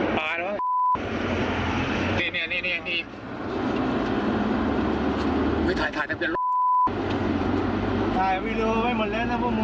ผู้หญิงก็ใจกล้ามากเลยนะอยู่ข้างป้องด้วยนะ